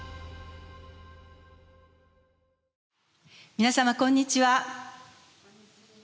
皆様こんにちは。